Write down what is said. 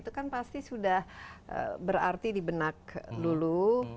itu kan pasti sudah berarti di benak lulu